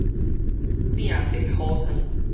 拚白虎湯